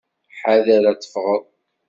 Ḥader ad tefɣeḍ!